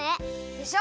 でしょ。